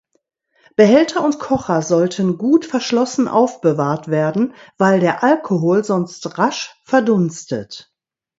Behälter und Kocher sollten gut verschlossen aufbewahrt werden, weil der Alkohol sonst rasch verdunstet.